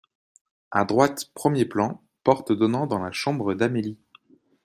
A droite, premier plan, porte donnant dans la chambre d'Amélie.